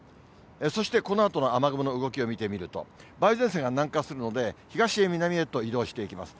そしてこのあとの雨雲の動きを見てみると、梅雨前線が南下するので、東へ、南へと移動していきます。